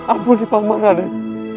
ampuni paman raden